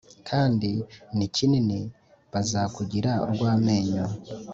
kandi ni kinini Bazakugira urw amenyo